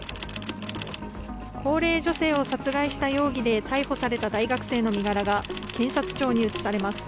高齢女性を殺害した容疑で逮捕された大学生の身柄が、検察庁に移されます。